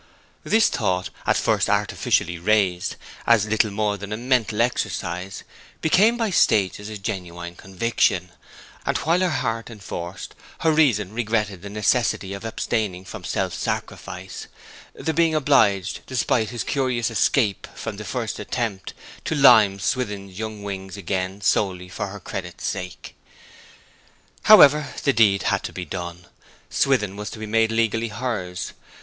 This thought, at first artificially raised, as little more than a mental exercise, became by stages a genuine conviction; and while her heart enforced, her reason regretted the necessity of abstaining from self sacrifice the being obliged, despite his curious escape from the first attempt, to lime Swithin's young wings again solely for her credit's sake. However, the deed had to be done; Swithin was to be made legally hers.